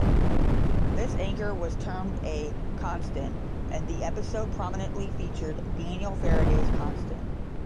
This anchor was termed a "constant," and the episode prominently featured Daniel Faraday's constant.